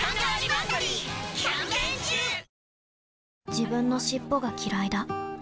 自分の尻尾がきらいだ